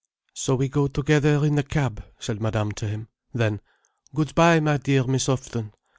"So, we go together in the cab," said Madame to him. Then: "Good bye, my dear Miss Houghton.